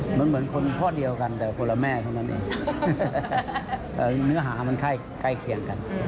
เหมือนคนพ่อเดียวกันแต่คนละแม่เท่านั้นเองเนื้อหามันใกล้เคียงกัน